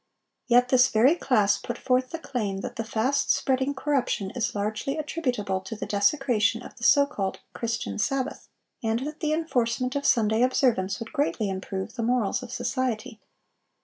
Yet this very class put forth the claim that the fast spreading corruption is largely attributable to the desecration of the so called "Christian sabbath," and that the enforcement of Sunday observance would greatly improve the morals of society.